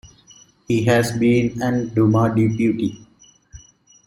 He has been an Duma deputy.